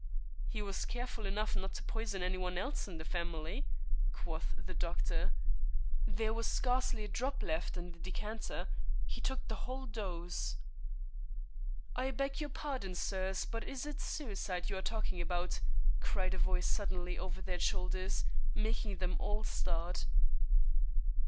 "He was careful enough not to poison any one else in the family," quoth the doctor. "There was scarcely a drop left in the decanter; he took the whole dose." "I beg your pardon, sirs, but is it suicide you are talking about?" cried a voice suddenly over their shoulders, making them all start.